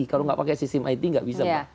kalau tidak pakai sistem it tidak bisa